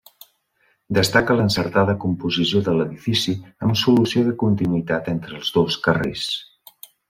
Destaca l'encertada composició de l'edifici amb solució de continuïtat entre els dos carrers.